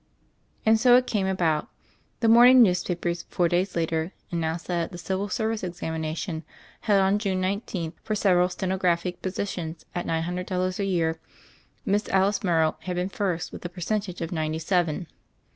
And so it came about. The morning news papers four days later announced that at the Civil Service examination held on June 19th for several stenographic positions at nine hundred dollars a year. Miss Alice Morrow had been first with a percentage of ninety seven.